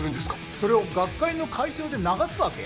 それを学会の会場で流すわけ？